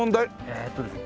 えっとですね